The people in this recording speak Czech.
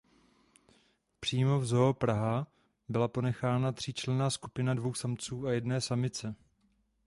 Přímo v Zoo Praha byla ponechána tříčlenná skupina dvou samců a jedné samice.